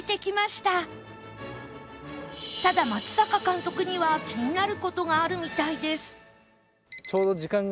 ただ松坂監督には気になる事があるみたいです